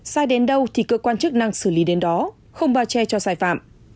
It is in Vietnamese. sai đến đâu thì cơ quan chức năng xử lý đến đó không bao che cho sai phạm